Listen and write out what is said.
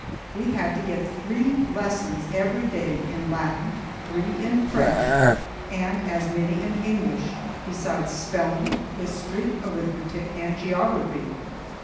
We had to get three lessons every day in Latin, three in French, and as many in English, besides spelling, history, arithmetic, and geography.